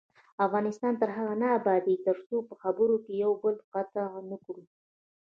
افغانستان تر هغو نه ابادیږي، ترڅو په خبرو کې یو بل قطع نکړو.